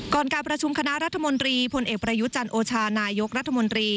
การประชุมคณะรัฐมนตรีพลเอกประยุจันทร์โอชานายกรัฐมนตรี